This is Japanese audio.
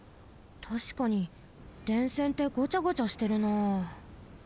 たしかに電線ってごちゃごちゃしてるなあ。